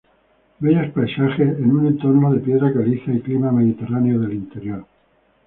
Bellos paisajes en un entorno de piedra caliza y clima mediterráneo del interior.